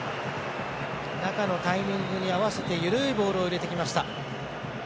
中のタイミングに合わせて緩いボールを入れてきました。